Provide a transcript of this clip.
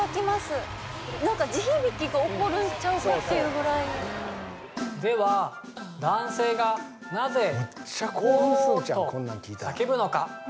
地響きが起こるんちゃうかっていうぐらいでは男性がなぜ「オォー」と叫ぶのか